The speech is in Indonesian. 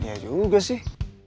iya juga sih